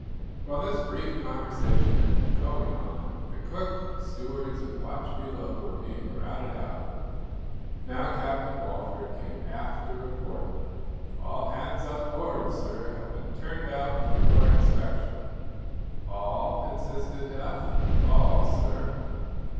While this brief conversation had been going on, the cook, stewards and watch below were being routed out. Now Captain Walford came aft to report: "All hands on board, sir, have been turned out for your inspection." "All?" insisted Eph. "All, sir."